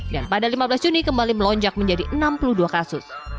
dan pada lima belas juni kembali melonjak menjadi enam puluh dua kasus